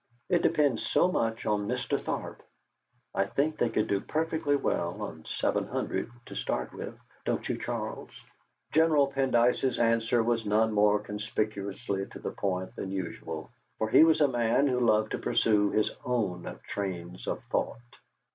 It depends so much on Mr. Tharp. I think they could do perfectly well on seven hundred to start with, don't you, Charles?" General Pendyce's answer was not more conspicuously to the point than usual, for he was a man who loved to pursue his own trains of thought.